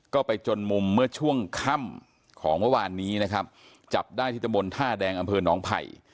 ก็ไปจนมุมเมื่อช่วงค่ำของเมื่อวานนี้นะครับจับได้ที่ตะบนท่าแดงอำเภอหนองไผ่